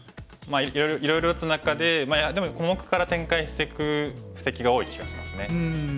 いろいろ打つ中でまあでも小目から展開していく布石が多い気がしますね。